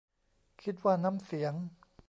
คิดว่าน้ำเสียง